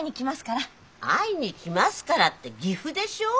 ・「会いに来ますから」って岐阜でしょ？